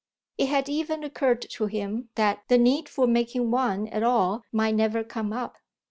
It had even occurred to him that the need for making one at all might never come up.